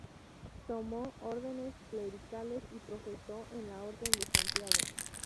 Tomó órdenes clericales y profesó en la orden de Santiago.